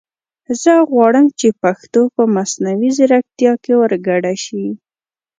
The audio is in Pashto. زه غواړم چې پښتو په مصنوعي زیرکتیا کې ور ګډه شي